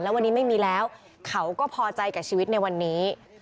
วันนี้ไม่มีแล้วเขาก็พอใจกับชีวิตในวันนี้